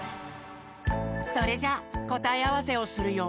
それじゃこたえあわせをするよ。